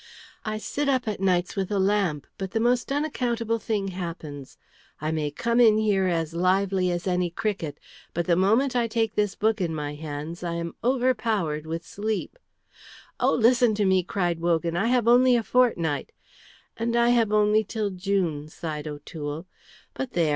"I sit up at nights with a lamp, but the most unaccountable thing happens. I may come in here as lively as any cricket, but the moment I take this book in my hands I am overpowered with sleep " "Oh, listen to me," cried Wogan. "I have only a fortnight " "And I have only till June," sighed O'Toole. "But there!